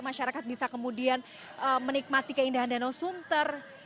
masyarakat bisa kemudian menikmati keindahan danau sunter